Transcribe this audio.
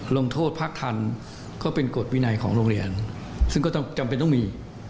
ลงโทษพักทันก็เป็นกฎวินัยของโรงเรียนซึ่งก็จำเป็นต้องมี